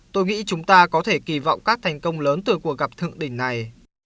tôi nghĩ chúng ta có thể kỳ vọng các thành công lớn từ cuộc gặp thượng đỉnh này